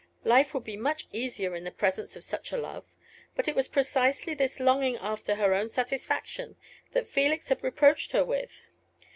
Life would be much easier in the presence of such a love. But it was precisely this longing after her own satisfaction that Felix had reproached her with.